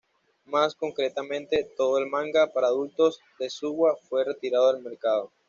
Más concretamente, todo el manga para adultos de Suwa fue retirado del mercado.